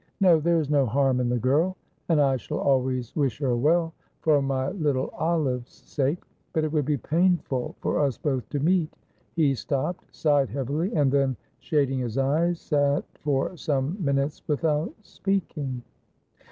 "No, there is no harm in the girl, and I shall always wish her well, for my little Olive's sake. But it would be painful for us both to meet." He stopped, sighed heavily, and then, shading his eyes, sat for some minutes without speaking.